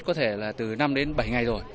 có thể là từ năm đến bảy ngày rồi